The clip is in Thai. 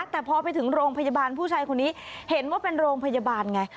แต่พอไปถึงโรงพยาบาลผู้ชายคนนี้เห็นว่าเป็นโรงพยาบาลไง